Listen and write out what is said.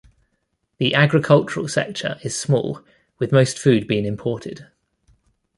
The agricultural sector is small, with most food being imported.